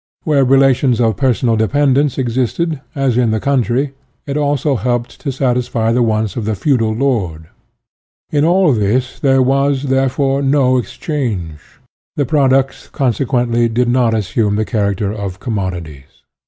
Where relations of personal dependence ex isted, as in the country, it also helped to satisfy the wants of the feudal lord. In all this there was, therefore, no exchange; the products, consequently, did not assume the character of commodities.